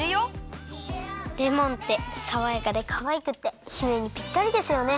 レモンってさわやかでかわいくって姫にぴったりですよね。